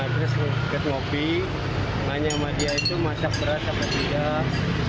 terus ke kios terus ke kopi nanya sama dia itu masak beras apa tidak